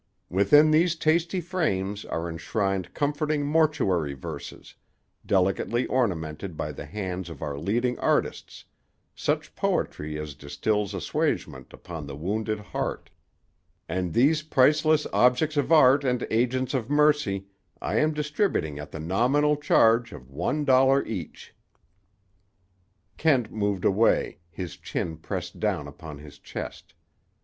Within these tasty frames are enshrined comforting mortuary verses, delicately ornamented by the hands of our leading artists, such poetry as distils assuagement upon the wounded heart; and these priceless objects of art and agents of mercy I am distributing at the nominal charge of one dollar each." Kent moved away, his chin pressed down upon his chest.